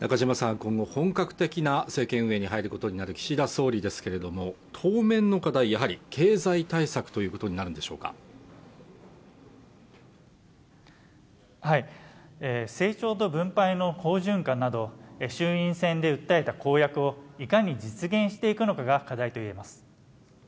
今後本格的な政権運営に入ることになる岸田総理ですけれども当面の課題はやはり経済対策ということになるんでしょうか成長と分配の好循環など衆院選で訴えた公約をいかに実現していくのかが課題といえます